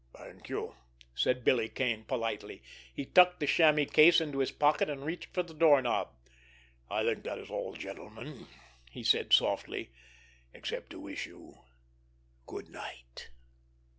"Thank you!" said Billy Kane politely. He tucked the chamois case into his pocket, and reached out for the doorknob. "I think that is all—gentlemen," he said softly; "except to wish you—good night!"